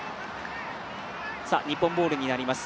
日本ボールになります。